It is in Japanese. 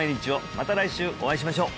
また来週お会いしましょう